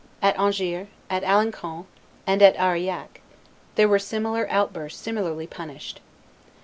At Angers, at Alencon, and at Aurillac, there were similar outbursts similarly punished."